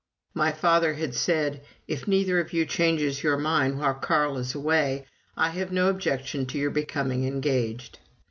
My father had said, "If neither of you changes your mind while Carl is away, I have no objection to your becoming engaged."